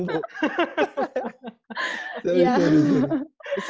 kenapa dari jepang bu